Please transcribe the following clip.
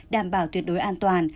đảm bảo tuyệt đối an toàn